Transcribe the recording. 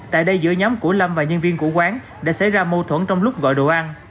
tại đây giữa nhóm của lâm và nhân viên của quán đã xảy ra mâu thuẫn trong lúc gọi đồ ăn